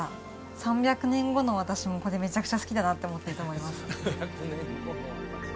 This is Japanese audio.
３００年後の私もこれめちゃくちゃ好きだなって思ってると思います